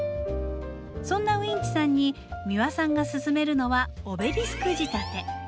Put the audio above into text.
そんなういんちさんに三輪さんが勧めるのはオベリスク仕立て。